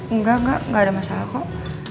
enggak enggak enggak ada masalah kok